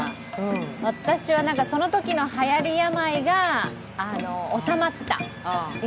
私は、そのときのはやり病が収まった？